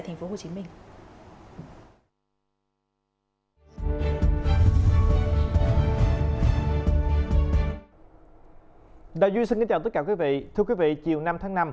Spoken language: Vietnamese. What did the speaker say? thưa quý vị chiều năm tháng năm